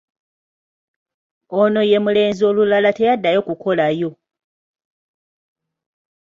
Ono ye mulenzi olulala teyaddayo kukolayo.